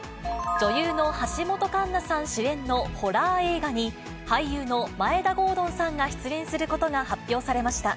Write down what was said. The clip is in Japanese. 女優の橋本環奈さん主演のホラー映画に、俳優の眞栄田郷敦さんが出演することが発表されました。